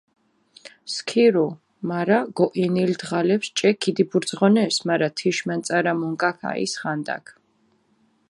სქირუ, მარა გოჸინილ დღალეფს ჭე ქიდიბურძღონეს, მარა თიშ მანწარა მონკაქ აჸის ხანდაქ.